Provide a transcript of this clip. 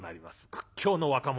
屈強の若者。